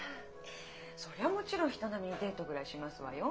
そりゃもちろん人並みにデートぐらいしますわよ。